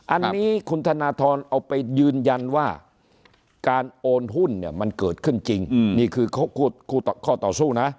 อันนี้คุณธนทรเอาไปยืนยันว่าการโอนหุ้นเนี่ยมันเกิดขึ้นจริงนี่คือข้อต่อสู้นะ